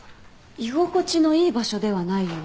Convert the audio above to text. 居心地のいい場所ではないよね。